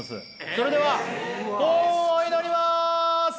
それでは幸運を祈ります！